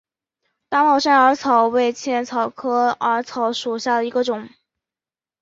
大帽山耳草为茜草科耳草属下的一个种。